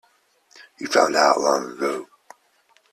You found that out long ago.